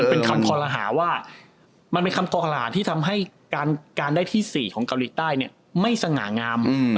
มันเป็นคำพลหาว่ามันเป็นคำพลหาที่ทำให้การณ์ได้ที่๔ของเกาหลีใต้เนี่ยไม่สังหงาม